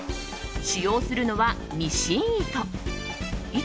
使用するのは、ミシン糸。